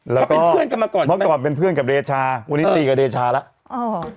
แล้วก็เมื่อก่อนเป็นเพื่อนกับเดชาวันนี้ตีกับเดชาแล้ว